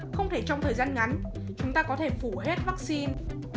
không thể trong thời gian ngắn chúng ta có thể phủ hết vắc xin